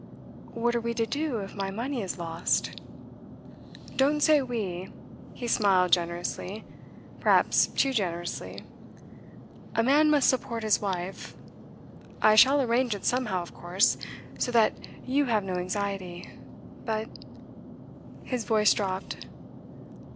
'What are we to do if my money is lost?' 'Don't say we.' He smiled generously, perhaps too generously. 'A man must support his wife. I shall arrange it somehow, of course, so that you have no anxiety. But ' His voice dropped.